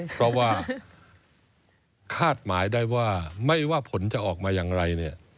เพราะว่าคาดหมายได้ว่าไม่ว่าผลจะออกมาอย่างไรเนี่ย